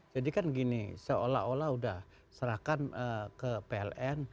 jadi kan gini seolah olah sudah serahkan ke pln